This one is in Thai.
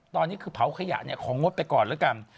ตอนนี้คือเผาขยะเนี่ยของงดไปก่อนแล้วกัน